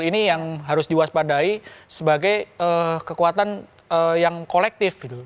ini yang harus diwaspadai sebagai kekuatan yang kolektif gitu